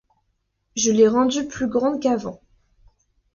Je l'ai rendu plus grande qu'avant.